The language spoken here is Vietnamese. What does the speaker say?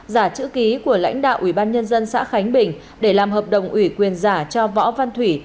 giả chữ ký của lãnh đạo ủy ban nhân dân xã khánh bình để làm hợp đồng ủy quyền giả cho võ văn thủy